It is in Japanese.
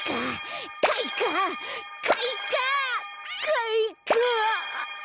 かいか。